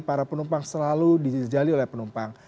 para penumpang selalu dijajali oleh penumpang